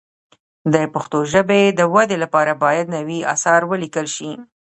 د پښتو ژبې د ودې لپاره باید نوي اثار ولیکل شي.